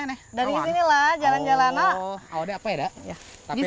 inianku itu cara bagi nickel tanpa kindly